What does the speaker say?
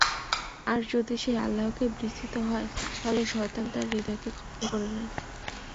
আর যদি সে আল্লাহকে বিস্মৃত হয়, তাহলে শয়তান তার হৃদয়কে কব্জা করে নেয়।